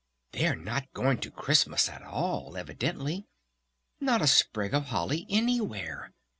"They're not going to Christmas at all ... evidently! Not a sprig of holly anywhere!